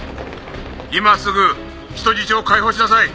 「今すぐ人質を解放しなさい」